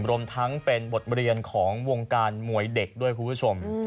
รวมทั้งเป็นบทเรียนของวงการมวยเด็กด้วยคุณผู้ชม